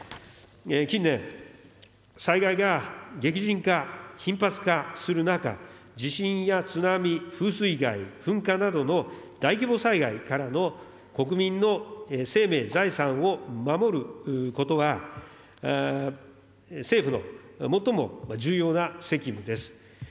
近年、災害が激甚化・頻発化する中、地震や津波、風水害、噴火などの大規模災害からの国民の生命、財産を守ることは、政府の最も重要な責務です。